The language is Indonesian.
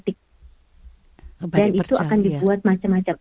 dan itu akan dibuat macam macam